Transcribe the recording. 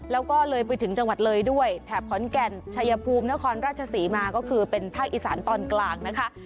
แล้วก็เลยไปถึงจังหวัดเลยด้วยแถบขอนแก่นชัยภูมินครราชศรีมาก็คือเป็นภาคอีสานตอนกลางนะคะ